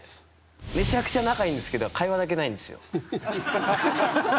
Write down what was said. めちゃくちゃ仲いいですが会話だけないんです。